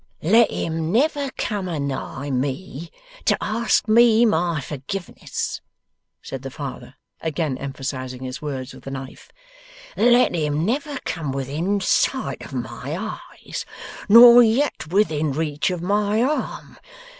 'Let him never come a nigh me to ask me my forgiveness,' said the father, again emphasizing his words with the knife. 'Let him never come within sight of my eyes, nor yet within reach of my arm.